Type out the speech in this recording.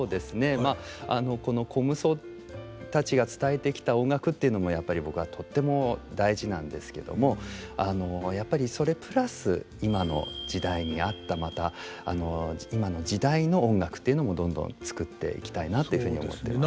まあこの虚無僧たちが伝えてきた音楽っていうのもやっぱり僕はとっても大事なんですけどもやっぱりそれプラス今の時代に合ったまた今の時代の音楽というのもどんどん作っていきたいなっていうふうに思ってます。